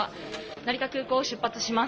成田空港を出発します。